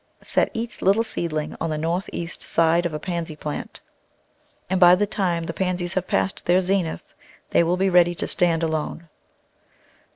Set each little seedling on the north east side of a Pansy plant, and by the time the Pansies have passed their zenith they will be ready to stand alone.